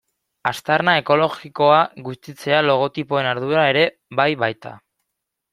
Aztarna ekologikoa gutxitzea logotipoen ardura ere bai baita.